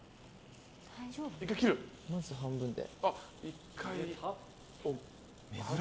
まず半分で。